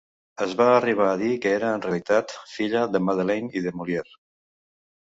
Es va arribar a dir que era en realitat filla de Madeleine i de Molière.